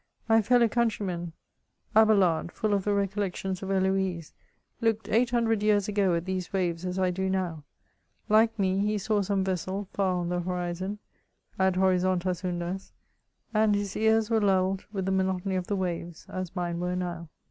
My fellow country man, Abelard, full of the recollections of Heloise, looked eight hundred years ago at these waves, as I do now ; like me, he saw some vessel far on the horizon (adhorizontasundas), and his ears were lulled with the monotony of the waves, as mine were now.